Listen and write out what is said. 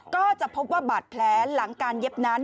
ก็จะพบว่าบาดแผลหลังการเย็บนั้น